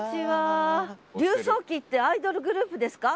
柳叟忌ってアイドルグループですか？